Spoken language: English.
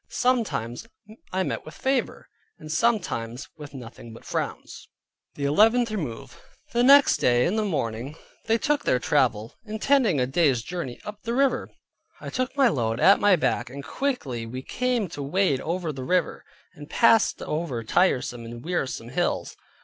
Sometimes I met with favor, and sometimes with nothing but frowns. THE ELEVENTH REMOVE The next day in the morning they took their travel, intending a day's journey up the river. I took my load at my back, and quickly we came to wade over the river; and passed over tiresome and wearisome hills.